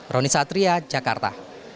roni satria jakarta